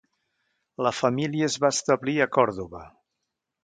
La família es va establir a Còrdova.